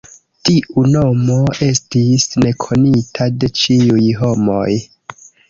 Tiu nomo estis nekonita de ĉiuj homoj.